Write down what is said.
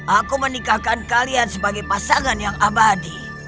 aku menikahkan kalian sebagai pasangan yang abadi